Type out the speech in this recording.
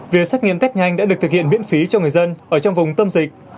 việc xét nghiệm test nhanh đã được thực hiện miễn phí cho người dân ở trong vùng tâm dịch